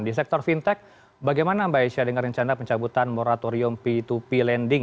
di sektor fintech bagaimana mbak aisyah dengan rencana pencabutan moratorium p dua p lending